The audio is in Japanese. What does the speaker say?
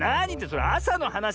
それあさのはなしでしょ？